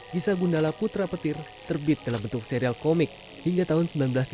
kisah gundala putra petir terbit dalam bentuk serial komik hingga tahun seribu sembilan ratus delapan puluh